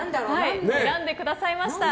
選んでくださいました。